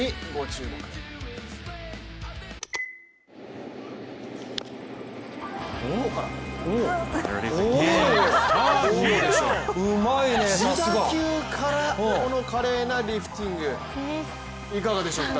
自打球から、この華麗なリフティング、いかがでしょう。